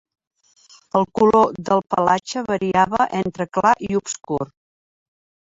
El color del pelatge variava entre clar i obscur.